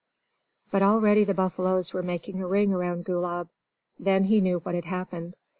But already the buffaloes were making a ring around Gulab. Then he knew what had happened.